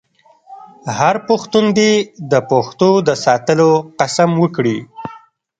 هر پښتون دې د پښتو د ساتلو قسم وکړي.